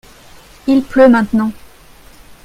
il pleut maintenant.